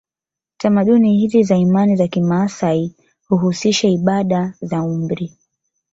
Tamaduni hizi za imani za kimaasai huhusisha ibada za umri